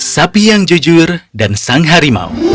sapi yang jujur dan sang harimau